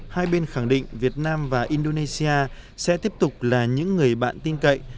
hai bên khẳng định việt nam và indonesia sẽ tiếp tục là những người bạn tin cậy